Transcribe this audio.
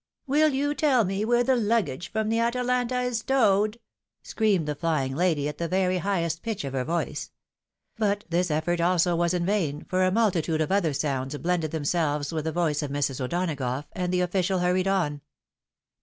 " Win yon tell me where the luggage from the Atalanta is stowed ?" screamed the flying lady, at the very highest pitch of her voice. But this effort also was in vain, for a multitude of other sounds blended themselves with the voice of Mrs. O'Dona gough, and the of&cial hurried on.